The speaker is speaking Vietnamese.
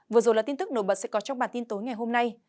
vừa rồi là tin tức nổi bật sẽ có trong bản tin tối ngày hôm nay